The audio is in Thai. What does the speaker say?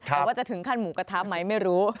แต่ว่าจะถึงขั้นหมูกระทะไหมไม่รู้